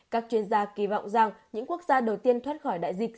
các chuyên gia kỳ vọng rằng những quốc gia đầu tiên thoát khỏi đại dịch